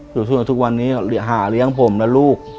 อยู่สู้กับทุกวันนี้หาเลี้ยงผมและลูก